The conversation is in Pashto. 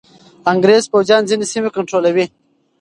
انګریز پوځیان ځینې سیمې کنټرولوي.